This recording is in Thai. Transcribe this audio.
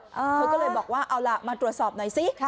เธอก็เลยบอกว่าเอาล่ะมาตรวจสอบหน่อยสิ